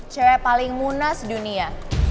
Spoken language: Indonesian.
cewek paling muna sedunia